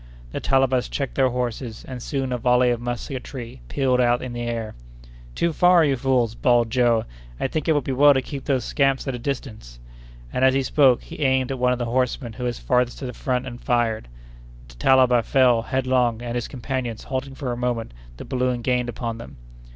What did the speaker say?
The Talabas checked their horses, and soon a volley of musketry pealed out on the air. "Too far, you fools!" bawled Joe. "I think it would be well to keep those scamps at a distance." And, as he spoke, he aimed at one of the horsemen who was farthest to the front, and fired. The Talaba fell headlong, and, his companions halting for a moment, the balloon gained upon them.